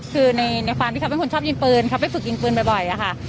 คือในความที่เขาเป็นคนชอบยิงปืนเขาไปฝึกยิงปืนบ่อยอะค่ะ